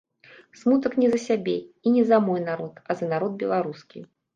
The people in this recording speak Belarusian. Смутак не за сябе і не за мой народ, а за народ беларускі.